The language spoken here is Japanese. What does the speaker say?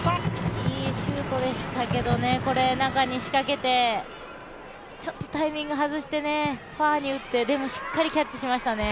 いいシュートでしたけどね、中に仕掛けて、ちょっとタイミングを外してファーに打って、でもしっかりキャッチしましたね。